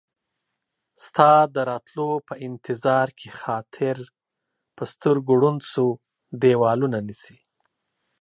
ستا د راتلو په انتظار کې خاطر ، په سترګو ړوند شو ديوالونه نيسي